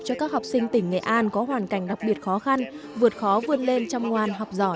cho các học sinh tỉnh nghệ an có hoàn cảnh đặc biệt khó khăn vượt khó vươn lên chăm ngoan học giỏi